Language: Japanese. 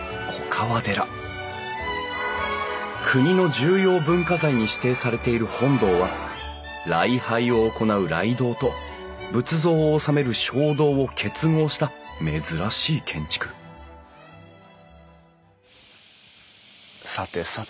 国の重要文化財に指定されている本堂は礼拝を行う礼堂と仏像を収める正堂を結合した珍しい建築さてさて